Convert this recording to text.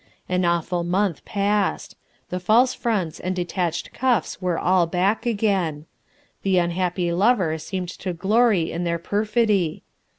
An awful month passed; the false fronts and detached cuffs were all back again; the unhappy lover seemed to glory in their perfidy.